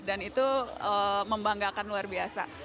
dan itu membanggakan luar biasa